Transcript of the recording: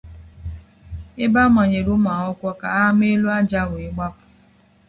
ebe amanyere ụmụakwụkwọ ka ha maa elu aja wee gbapụ